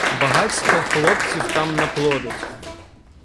Багацько хлопців там наплодить